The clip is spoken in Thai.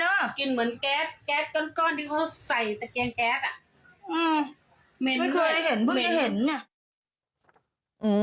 ไม่เคยเห็นนะ